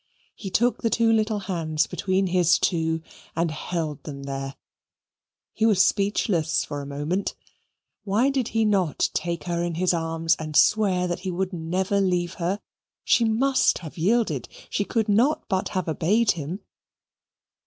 He took the two little hands between his two and held them there. He was speechless for a moment. Why did he not take her in his arms and swear that he would never leave her? She must have yielded: she could not but have obeyed him.